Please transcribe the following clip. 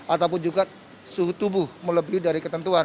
ataupun juga suhu tubuh melebihi dari ketentuan